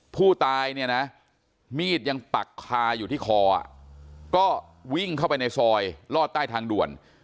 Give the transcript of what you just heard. ผู้ตายเนี่ยนะมีดยังปักคาอยู่ที่คอก็วิ่งเข้าไปในซอยรอดใต้ทางด่วน